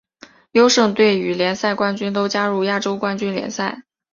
优胜队与联赛冠军都加入亚洲冠军联赛。